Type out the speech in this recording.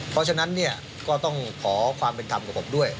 เพราะฉะนั้นเนี่ยก็ต้องขอความเป็นธรรมกับผมด้วย